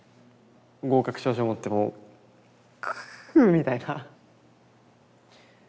合格証書持ってもう「くう」みたいな。